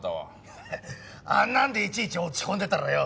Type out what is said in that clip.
あんなんでいちいち落ち込んでたらよ